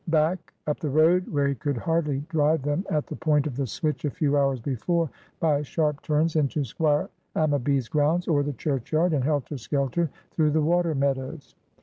Back, up the road, where he could hardly drive them at the point of the switch a few hours before; by sharp turns into Squire Ammaby's grounds, or the churchyard; and helter skelter through the water meadows.